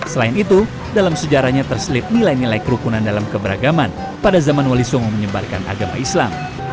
selain itu dalam sejarahnya terselip nilai nilai kerukunan dalam keberagaman pada zaman wali songo menyebarkan agama islam